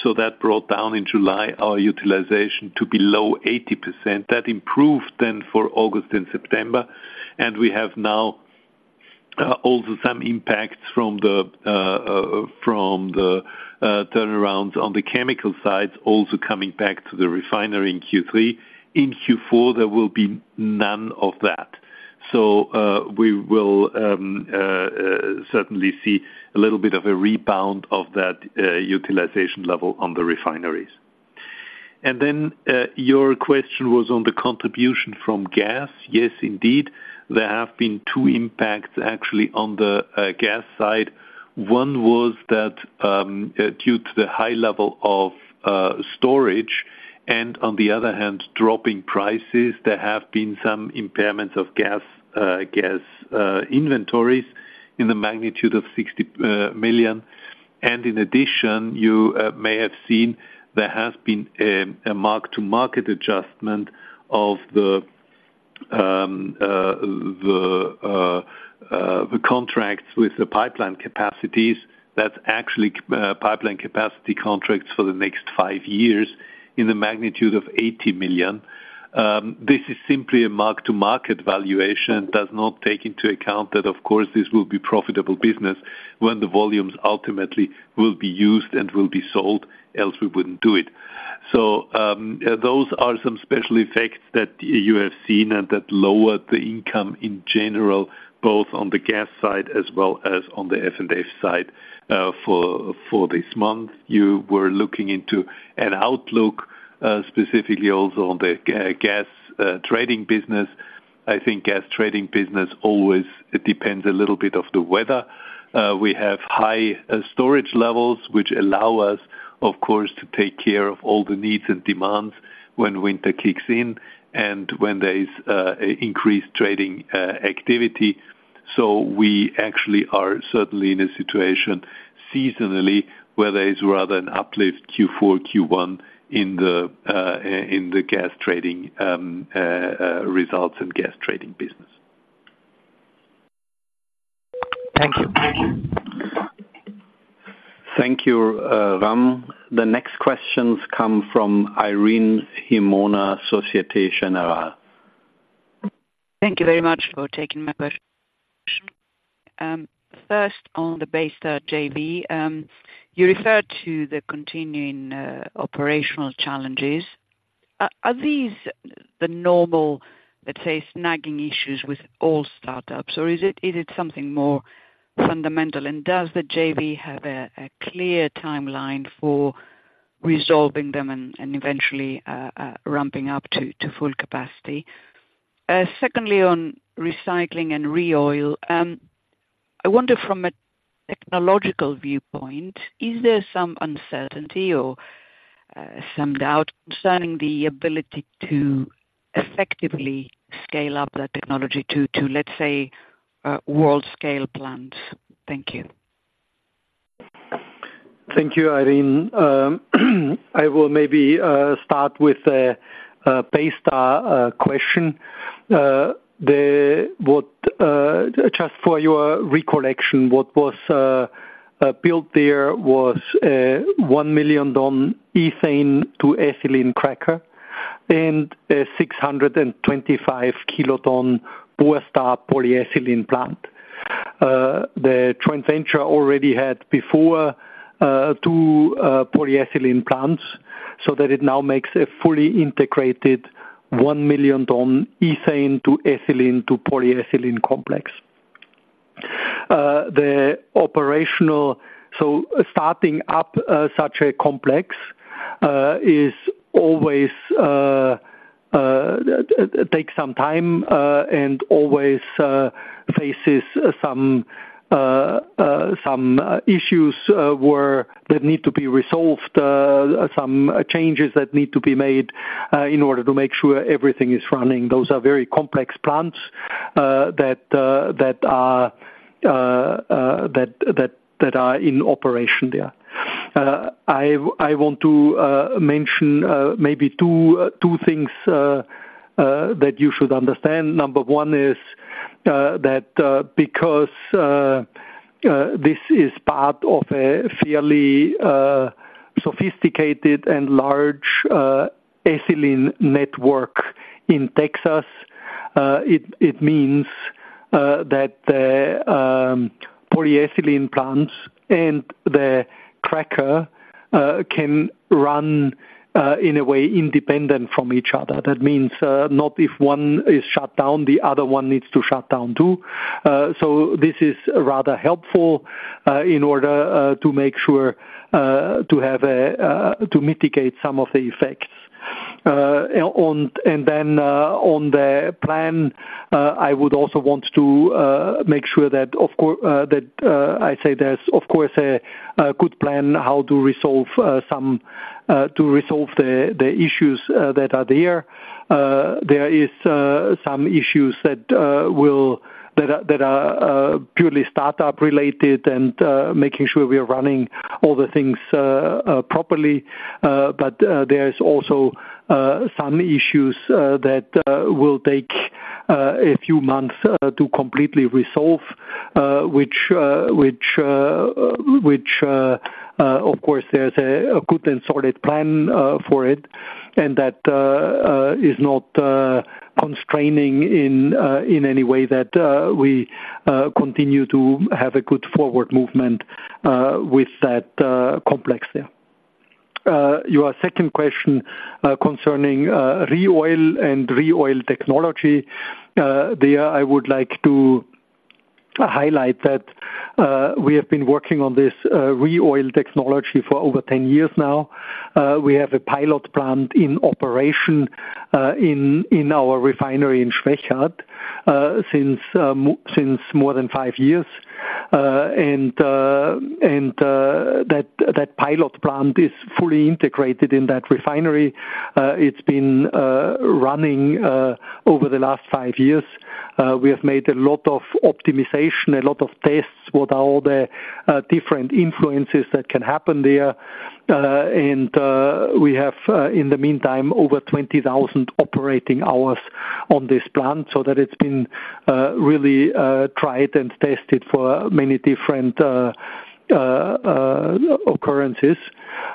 So that brought down in July our utilization to below 80%. That improved then for August and September, and we have now also some impacts from the turnarounds on the chemical side, also coming back to the refinery in Q3. In Q4, there will be none of that. So we will certainly see a little bit of a rebound of that utilization level on the refineries. And then your question was on the contribution from gas? Yes, indeed, there have been 2 impacts actually on the gas side. One was that, due to the high level of storage, and on the other hand, dropping prices, there have been some impairments of gas inventories in the magnitude of 60 million. And in addition, you may have seen there has been a mark-to-market adjustment of the contracts with the pipeline capacities. That's actually pipeline capacity contracts for the next 5 years in the magnitude of 80 million. This is simply a mark-to-market valuation, does not take into account that, of course, this will be profitable business when the volumes ultimately will be used and will be sold, else we wouldn't do it. So, those are some special effects that you have seen, and that lowered the income in general, both on the gas side as well as on the FNF side, for this month. You were looking into an outlook, specifically also on the gas trading business. I think gas trading business always depends a little bit of the weather. We have high storage levels, which allow us, of course, to take care of all the needs and demands when winter kicks in and when there is increased trading activity. So we actually are certainly in a situation seasonally, where there is rather an uplift Q4, Q1 in the gas trading results and gas trading business. Thank you. Thank you, Ram. The next questions come from Irene Himona, Société Générale. Thank you very much for taking my question. First, on the Basell JV, you referred to the continuing operational challenges. Are these the normal, let's say, snagging issues with all startups, or is it something more fundamental, and does the JV have a clear timeline for resolving them and eventually ramping up to full capacity? Secondly, on recycling and ReOil, I wonder from a technological viewpoint, is there some uncertainty or some doubt concerning the ability to effectively scale up that technology to, let's say, world-scale plans? Thank you. Thank you, Irene. I will maybe start with the Baystar question. Just for your recollection, what was built there was a 1 million ton ethane to ethylene cracker and a 625 kiloton Borstar polyethylene plant. The joint venture already had before two polyethylene plants, so that it now makes a fully integrated 1 million ton ethane to ethylene to polyethylene complex. Operationally, starting up such a complex is always takes some time and always faces some issues that need to be resolved, some changes that need to be made in order to make sure everything is running. Those are very complex plants that are in operation there.... I want to mention maybe two things that you should understand. Number one is that because this is part of a fairly sophisticated and large ethylene network in Texas, it means that the polyethylene plants and the cracker can run in a way independent from each other. That means, not if one is shut down, the other one needs to shut down, too. So this is rather helpful in order to make sure to mitigate some of the effects. On the plan, I would also want to make sure that of course I say there's of course a good plan how to resolve some of the issues that are there. There are some issues that are purely startup related and making sure we are running all the things properly. But there is also some issues that will take a few months to completely resolve. Which of course there's a good and solid plan for it, and that is not constraining in any way that we continue to have a good forward movement with that complex there. Your second question, concerning ReOil and ReOil technology. There I would like to highlight that we have been working on this ReOil technology for over 10 years now. We have a pilot plant in operation in our refinery in Schwechat since more than 5 years. And that pilot plant is fully integrated in that refinery. It's been running over the last 5 years. We have made a lot of optimization, a lot of tests. What are all the different influences that can happen there? And we have, in the meantime, over 20,000 operating hours on this plant, so that it's been really tried and tested for many different occurrences.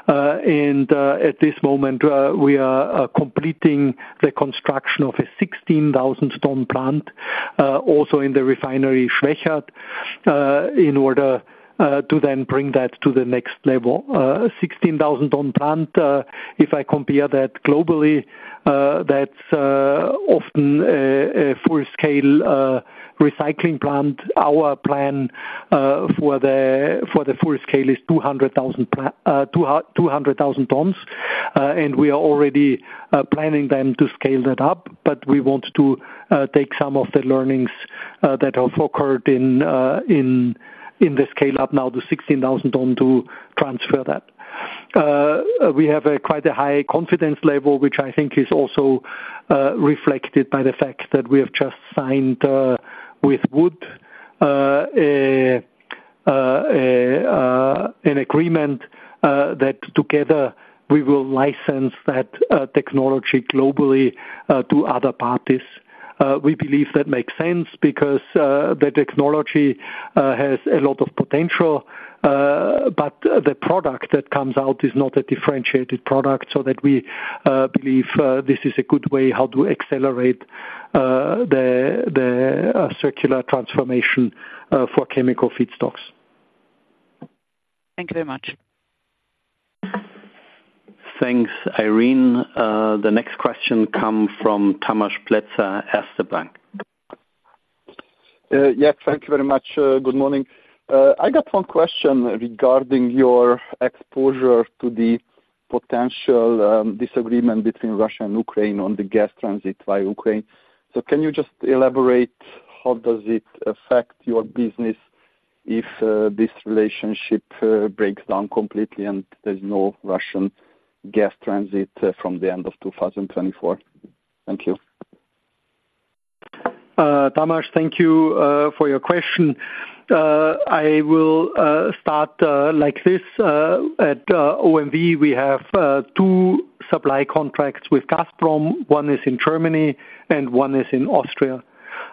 And at this moment, we are completing the construction of a 16,000-ton plant, also in the refinery Schwechat, in order to then bring that to the next level. 16,000-ton plant, if I compare that globally, that's often a full-scale recycling plant. Our plan for the full scale is 200,000 tons. And we are already planning then to scale that up. But we want to take some of the learnings that have occurred in the scale up now to 16,000-ton to transfer that. We have a quite high confidence level, which I think is also reflected by the fact that we have just signed with Wood an agreement that together we will license that technology globally to other parties. We believe that makes sense because the technology has a lot of potential, but the product that comes out is not a differentiated product, so that we believe this is a good way how to accelerate the circular transformation for chemical feedstocks. Thank you very much. Thanks, Irene. The next question come from Tamás Pletser, Erste Bank. Yeah, thank you very much. Good morning. I got one question regarding your exposure to the potential disagreement between Russia and Ukraine on the gas transit by Ukraine. So can you just elaborate, how does it affect your business if this relationship breaks down completely and there's no Russian gas transit from the end of 2024? Thank you. Tamás, thank you for your question. I will start like this. At OMV, we have two supply contracts with Gazprom. One is in Germany, and one is in Austria.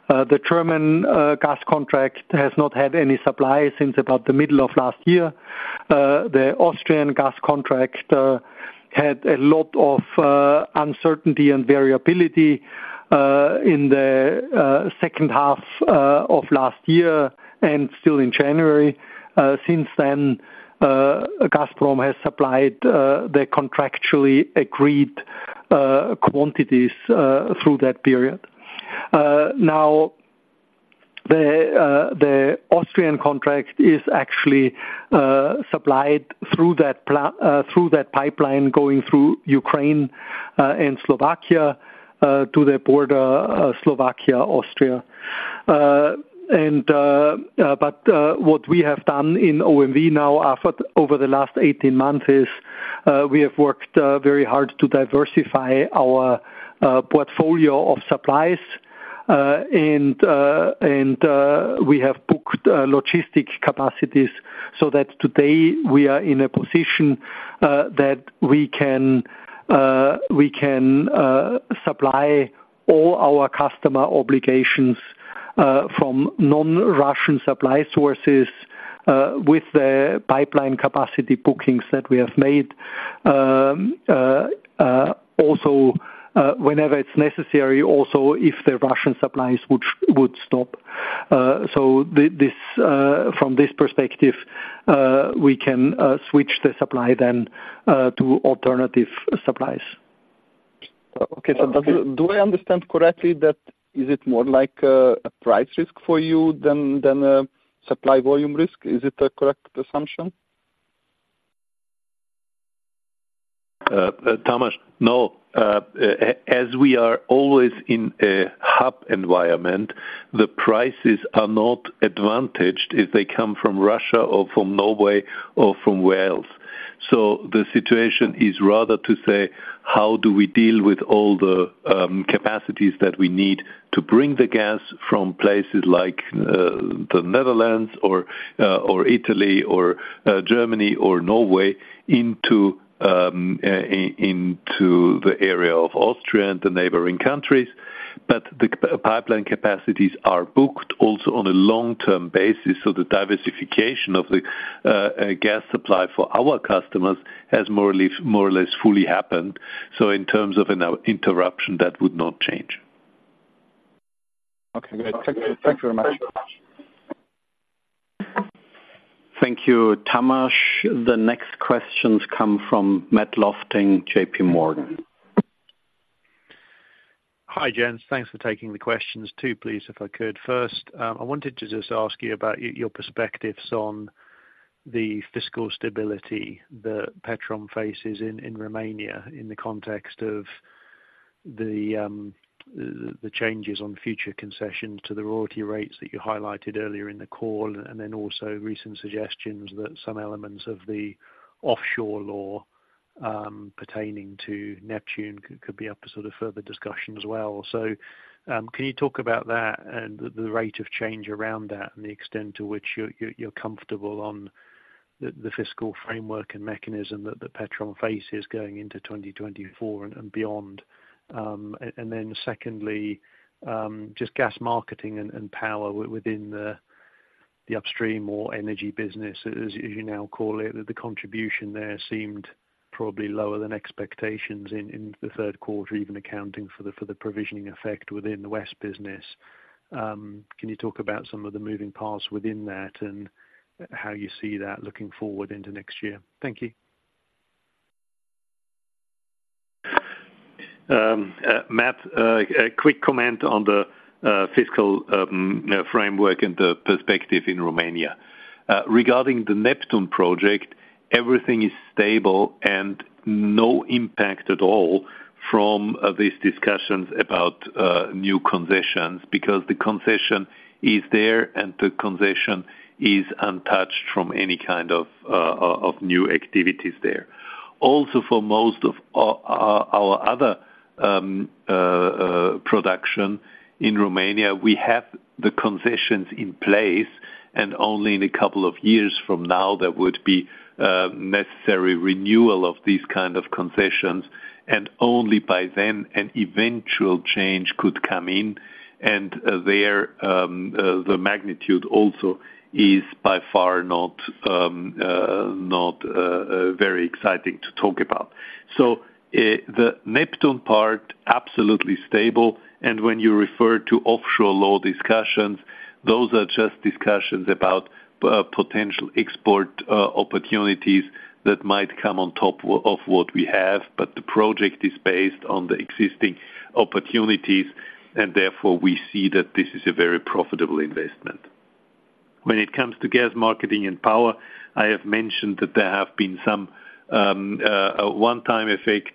The German gas contract has not had any supply since about the middle of last year. The Austrian gas contract had a lot of uncertainty and variability in the second half of last year and still in January. Since then, Gazprom has supplied the contractually agreed quantities through that period. Now, the Austrian contract is actually supplied through that pipeline going through Ukraine and Slovakia to the border, Slovakia, Austria. What we have done in OMV now, after over the last 18 months, is we have worked very hard to diversify our portfolio of supplies. And we have booked logistic capacities, so that today we are in a position that we can, we can, supply all our customer obligations from non-Russian supply sources with the pipeline capacity bookings that we have made. Also, whenever it's necessary, also, if the Russian supplies would stop. So this, from this perspective, we can switch the supply then to alternative supplies. Okay. So do I understand correctly that is it more like a price risk for you than a supply volume risk? Is it a correct assumption? Tomas, no. As we are always in a hub environment, the prices are not advantaged if they come from Russia or from Norway or from Wales. So the situation is rather to say, how do we deal with all the capacities that we need to bring the gas from places like the Netherlands or or Italy or Germany or Norway into the area of Austria and the neighboring countries? But the pipeline capacities are booked also on a long-term basis, so the diversification of the gas supply for our customers has more or less, more or less fully happened. So in terms of an out interruption, that would not change. Okay, great. Thank you very much. Thank you, Tamás. The next questions come from Matt Lofting, J.P. Morgan. Hi, Rein. Thanks for taking the two questions, please, if I could. First, I wanted to just ask you about your perspectives on the fiscal stability that Petrom faces in Romania, in the context of the changes on future concessions to the royalty rates that you highlighted earlier in the call. And then also recent suggestions that some elements of the offshore law pertaining to Neptun could be up to sort of further discussion as well. So, can you talk about that and the rate of change around that, and the extent to which you're comfortable on the fiscal framework and mechanism that Petrom faces going into 2024 and beyond? And then secondly, just gas marketing and power within the upstream or energy business, as you now call it, the contribution there seemed probably lower than expectations in the third quarter, even accounting for the provisioning effect within the West business. Can you talk about some of the moving parts within that, and how you see that looking forward into next year? Thank you. Matt, a quick comment on the fiscal framework and the perspective in Romania. Regarding the Neptun project, everything is stable and no impact at all from these discussions about new concessions, because the concession is there, and the concession is untouched from any kind of of new activities there. Also, for most of our other production in Romania, we have the concessions in place, and only in a couple of years from now, there would be necessary renewal of these kind of concessions, and only by then an eventual change could come in. The magnitude also is by far not very exciting to talk about. So, the Neptun part, absolutely stable, and when you refer to offshore LNG discussions, those are just discussions about potential export opportunities that might come on top of what we have, but the project is based on the existing opportunities, and therefore, we see that this is a very profitable investment. When it comes to gas marketing and power, I have mentioned that there have been some a one-time effects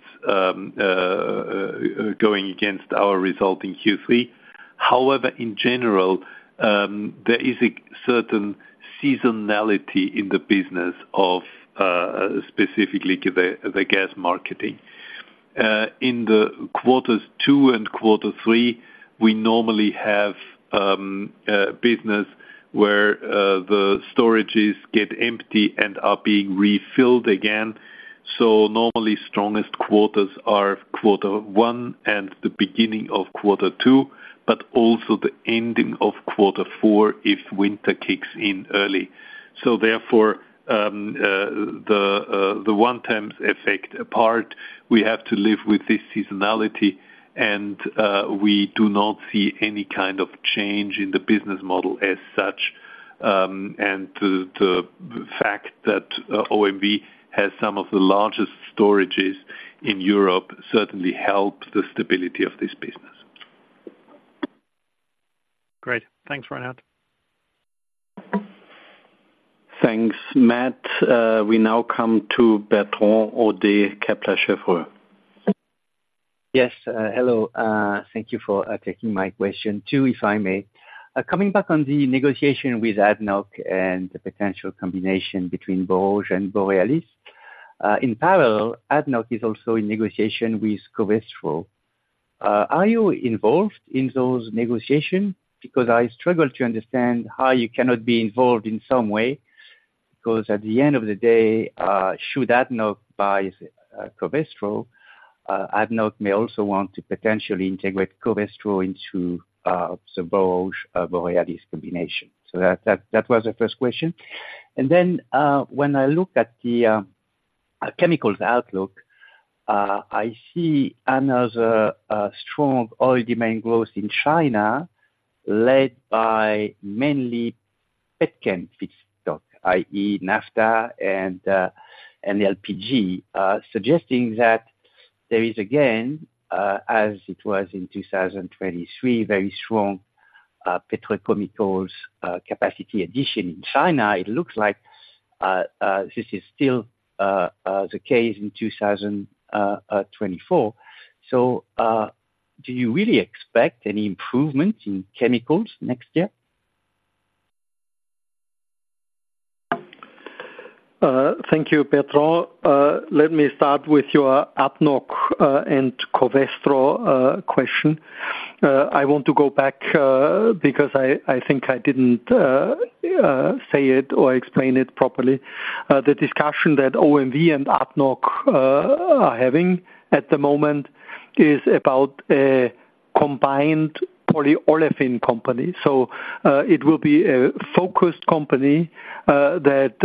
going against our result in Q3. However, in general, there is a certain seasonality in the business of specifically to the gas marketing. In quarters 2 and quarter 3, we normally have a business where the storages get empty and are being refilled again. So normally, strongest quarters are quarter one and the beginning of quarter two, but also the ending of quarter four, if winter kicks in early. So therefore, the one times effect apart, we have to live with this seasonality, and we do not see any kind of change in the business model as such. And the fact that OMV has some of the largest storages in Europe certainly helps the stability of this business. Great. Thanks, Reinhard. Thanks, Matt. We now come to Bertrand Hodée, Kepler Cheuvreux. Yes, hello. Thank you for taking my question too, if I may. Coming back on the negotiation with ADNOC and the potential combination between Borouge and Borealis, in parallel, ADNOC is also in negotiation with Covestro. Are you involved in those negotiations? Because I struggle to understand how you cannot be involved in some way. 'Cause at the end of the day, should ADNOC buy Covestro, ADNOC may also want to potentially integrate Covestro into so Borouge, Borealis combination. So that, that, that was the first question. And then, when I look at the chemicals outlook, I see another strong oil demand growth in China, led by mainly petchem feedstock, i.e., naphtha and and LPG. Suggesting that there is again, as it was in 2023, very strong petrochemicals capacity addition in China. It looks like this is still the case in 2024. So, do you really expect any improvement in chemicals next year? Thank you, Bertrand. Let me start with your ADNOC and Covestro question. I want to go back because I think I didn't say it or explain it properly. The discussion that OMV and ADNOC are having at the moment is about a combined polyolefin company. So, it will be a focused company that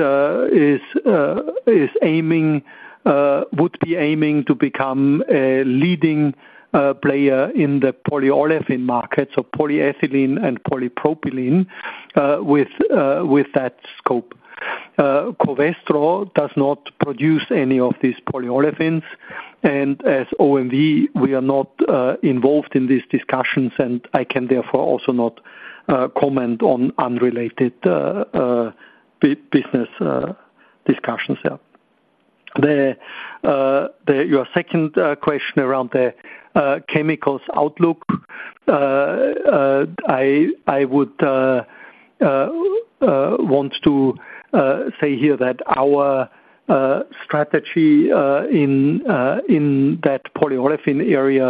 would be aiming to become a leading player in the polyolefin market, so polyethylene and polypropylene with that scope. Covestro does not produce any of these polyolefins, and as OMV, we are not involved in these discussions, and I can therefore also not comment on unrelated business discussions, yeah. Your second question around the chemicals outlook. I would want to say here that our strategy in that polyolefin area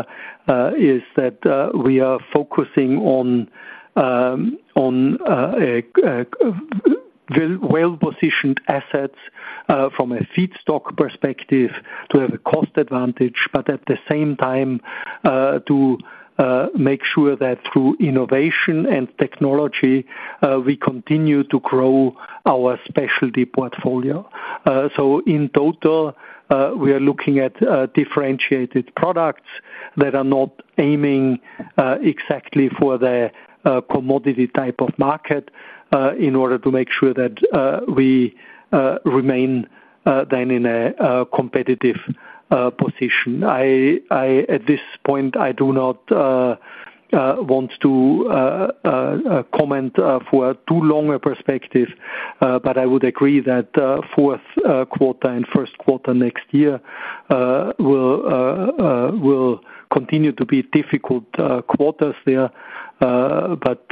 is that we are focusing on well-positioned assets from a feedstock perspective to have a cost advantage, but at the same time, to make sure that through innovation and technology, we continue to grow our specialty portfolio. So in total, we are looking at differentiated products that are not aiming exactly for the commodity type of market in order to make sure that we remain then in a competitive position. At this point, I do not want to comment for too long a perspective, but I would agree that fourth quarter and first quarter next year will continue to be difficult quarters there. But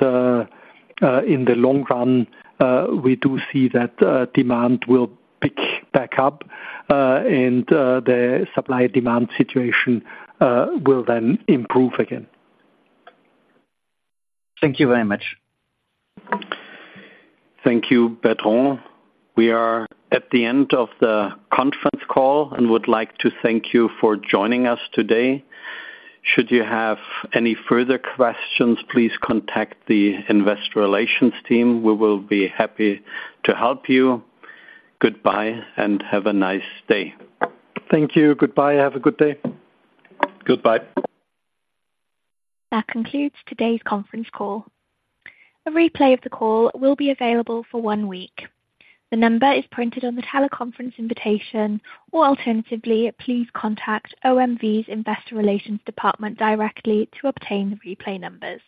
in the long run, we do see that demand will pick back up, and the supply-demand situation will then improve again. Thank you very much. Thank you, Bertrand. We are at the end of the conference call and would like to thank you for joining us today. Should you have any further questions, please contact the investor relations team. We will be happy to help you. Goodbye, and have a nice day. Thank you. Goodbye, have a good day. Goodbye. That concludes today's conference call. A replay of the call will be available for one week. The number is printed on the teleconference invitation, or alternatively, please contact OMV's Investor Relations department directly to obtain the replay numbers.